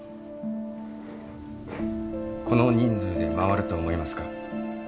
この人数で回ると思いますか？